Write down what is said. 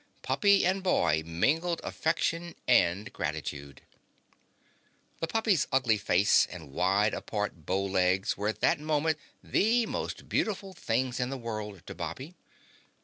Puppy and boy mingled affection and gratitude. The puppy's ugly face and wide apart bow legs were at that moment the most beautiful things in the world to Bobby.